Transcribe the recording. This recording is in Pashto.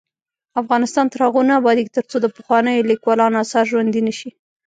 افغانستان تر هغو نه ابادیږي، ترڅو د پخوانیو لیکوالانو اثار ژوندي نشي.